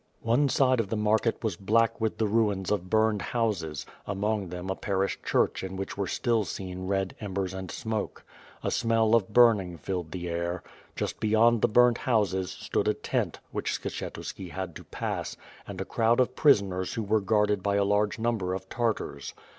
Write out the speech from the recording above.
One side of the market was black with the ruins of burned houses, among them a parish church in which were still seen red embers and smoke. A smell of burning filled the air. Just beyond the burnt houses, stood a tent, which Skshetuski had to pass; and a crowd of prisoners who were guarded by a large number of Tartars.